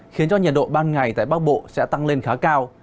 khiến cho nhiệt độ ban ngày tại bắc bộ sẽ tăng lên khá cao